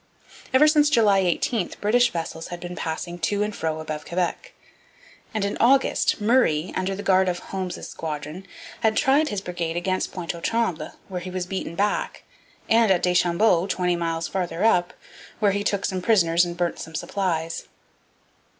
Ever since July 18 British vessels had been passing to and fro above Quebec; and in August, Murray, under the guard of Holmes's squadron, had tried his brigade against Pointe aux Trembles, where he was beaten back, and at Deschambault, twenty miles farther up, where he took some prisoners and burnt some supplies.